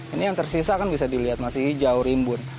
ini yang tersisa kan bisa dilihat masih hijau rimbun